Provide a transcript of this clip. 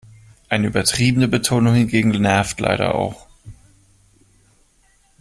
Eine übertriebene Betonung hingegen nervt leider auch.